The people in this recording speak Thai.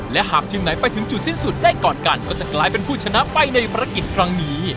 และหากทีมไหนไปถึงจุดสิ้นสุดได้ก่อนกันก็จะกลายเป็นผู้ชนะไปในภารกิจครั้งนี้